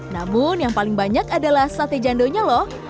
namun yang paling banyak adalah sate jandonya loh